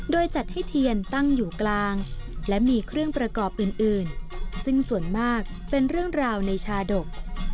โดยจัดให้เทียนตั้งอยู่กลางและมีเครื่องประกอบอื่นซึ่งส่วนมากเป็นเรื่องราวในชาดก